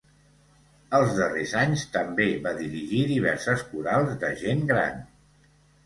Els darrers anys també va dirigir diverses corals de gent gran.